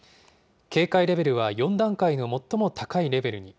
警戒レベルは４段階の最も高いレベルに。